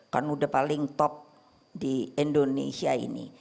kan udah paling top di indonesia ini